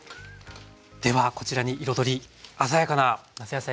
ではこちらに彩り鮮やかな夏野菜がいますね。